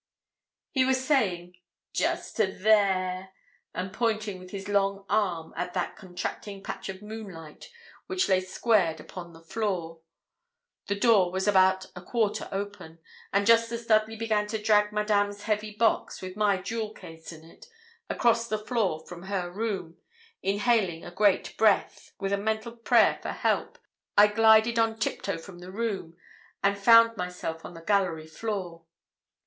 He was saying 'just to there,' and pointing with his long arm at that contracting patch of moonlight which lay squared upon the floor. The door was about a quarter open, and just as Dudley began to drag Madame's heavy box, with my jewel case in it, across the floor from her room, inhaling a great breath with a mental prayer for help I glided on tiptoe from the room and found myself on the gallery floor.